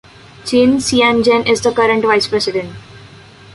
Chen Chien-jen is the current Vice President.